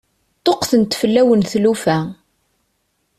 Ṭṭuqqtent fell-awen tlufa.